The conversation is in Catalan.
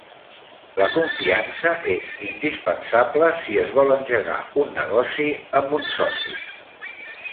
La confiança és indispensable si es vol engegar un negoci amb un soci.